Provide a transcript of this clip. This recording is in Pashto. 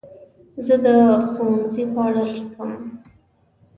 زه د ښوونځي په اړه لیک لیکم.